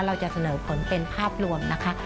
เราจะเสนอผลเป็นภาพรวมนะคะ